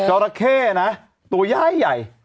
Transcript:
จอรัแคร่นะตัวย้ายใหญ่